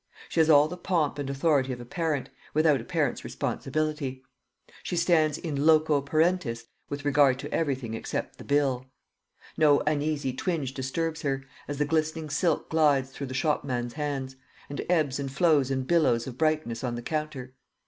She has all the pomp and authority of a parent, without a parent's responsibility. She stands in loco parentis with regard to everything except the bill. No uneasy twinge disturbs her, as the glistening silk glides through the shopman's hands, and ebbs and flows in billows of brightness on the counter.